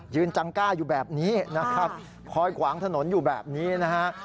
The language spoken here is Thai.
จังกล้าอยู่แบบนี้นะครับคอยขวางถนนอยู่แบบนี้นะฮะ